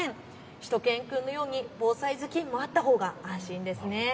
しゅと犬くんのように防災頭巾もあったほうが安心です。